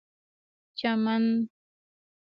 چمن